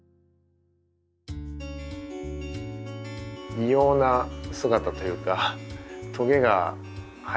異様な姿というかトゲが生えてて。